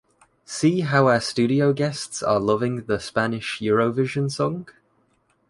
See how our studio guests are loving the Spanish Eurovision song.